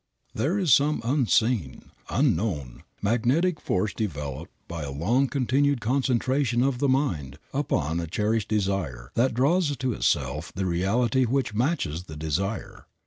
There is some unseen, unknown, magnetic force developed by a long continued concentration of the mind upon a cherished desire that draws to itself the reality which matches the desire.